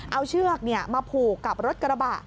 เอาเชือกมาผูกกับรถกระบะ